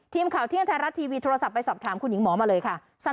ทีมข่าวเที่ยงไทยรัฐทีวีโทรศัพท์ไปสอบถามคุณหญิงหมอมาเลยค่ะ